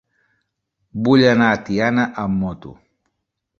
Vull anar a Tiana amb moto.